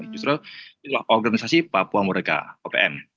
justru itu adalah organisasi papua merdeka opm